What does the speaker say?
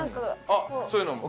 あっそういうのも。